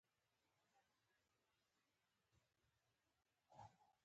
پر څرخ د تاو شوي پړي سر.